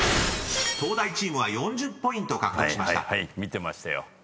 ［東大チームは４０ポイント獲得しました］